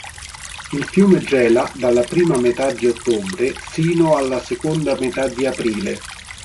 Il fiume gela dalla prima metà di ottobre sino alla seconda metà di aprile.